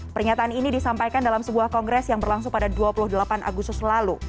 pernyataan ini disampaikan dalam sebuah kongres yang berlangsung pada dua puluh delapan agustus lalu